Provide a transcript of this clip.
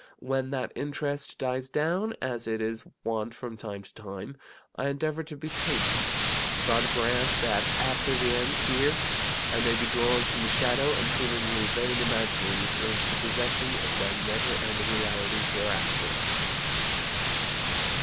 When that interest dies down, as it is wont from time to time, I endeavor to be patient. God grant that, after the end here, I may be drawn from the shadow, and seemingly vain imaginings into the possession of their never ending reality hereafter."